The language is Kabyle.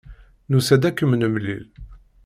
Nusa-d ad kem-nemlil.